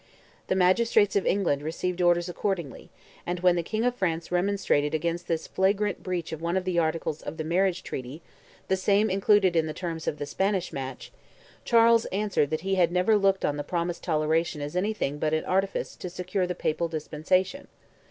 The magistrates of England received orders accordingly, and when the King of France remonstrated against this flagrant breach of one of the articles of the marriage treaty (the same included in the terms of the Spanish match), Charles answered that he had never looked on the promised toleration as anything but an artifice to secure the Papal dispensation.